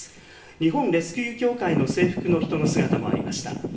日本レスキュー協会の制服の人の姿もありました。